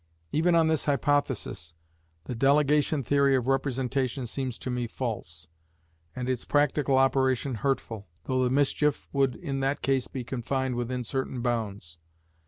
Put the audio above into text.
Even on this hypothesis, the delegation theory of representation seems to me false, and its practical operation hurtful, though the mischief would in that case be confined within certain bounds.